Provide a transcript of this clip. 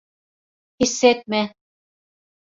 Hissetme.